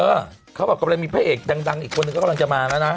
เขาบอกกำลังมีพระเอกดังอีกคนนึงก็กำลังจะมาแล้วนะ